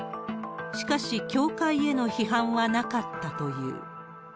しかし、教会への批判はなかったという。